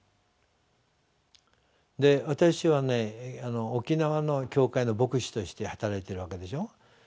私はね沖縄の教会の牧師として働いてるわけでしょう。